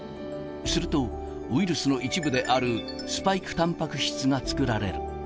すると、ウイルスの一部であるスパイクたんぱく質が作られる。